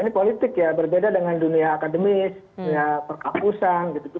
ini politik ya berbeda dengan dunia akademis perkakusan gitu